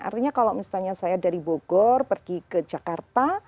artinya kalau misalnya saya dari bogor pergi ke jakarta